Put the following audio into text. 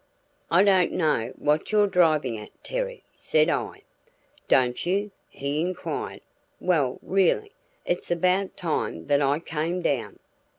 "I don't know what you're driving at, Terry," said I. "Don't you?" he inquired. "Well, really, it's about time that I came down!"